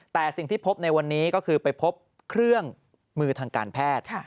แต่สิ่งที่พบในวันนี้ก็คือไปพบเครื่องมือทางการแพทย์